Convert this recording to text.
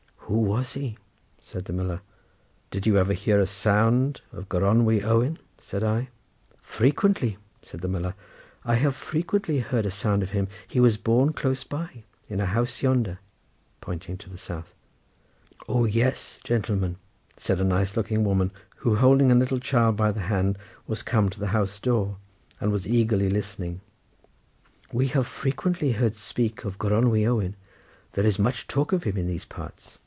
"Who was he?" said the miller. "Did you ever hear a sound of Gronwy Owen?" said I. "Frequently," said the miller; "I have frequently heard a sound of him. He was born close by in a house yonder," pointing to the south. "O yes, gentleman," said a nice looking woman, who holding a little child by the hand was come to the house door, and was eagerly listening, "we have frequently heard speak of Gronwy Owen; there is much talk of him in these parts."